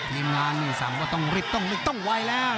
ทีมงานนี่สั่งว่าต้องรีบต้องไวแล้ว